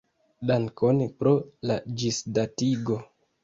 Dankon pro la ĝisdatigo.